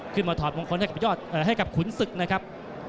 ขึ้นมาถอดมงคลให้กับขุนศึกนะครับ